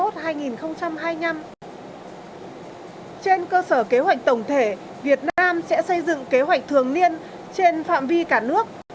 trên cơ sở kế hoạch tổng thể việt nam sẽ xây dựng kế hoạch thường niên trên phạm vi cả nước